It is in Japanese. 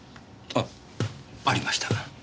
あっありました。